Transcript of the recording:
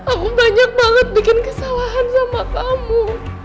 aku banyak banget bikin kesalahan sama kamu